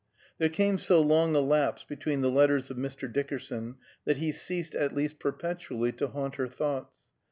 There came so long a lapse between the letters of Mr. Dickerson that he ceased, at least perpetually, to haunt her thoughts.